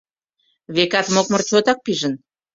Векат, мокмыр чотак пижын.